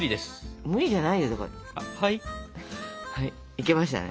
いけましたね。